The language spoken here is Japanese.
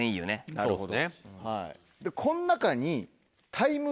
なるほど。